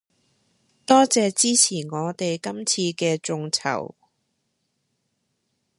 多謝支持我哋今次嘅眾籌